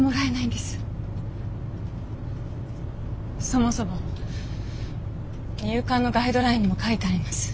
そもそも入管のガイドラインにも書いてあります。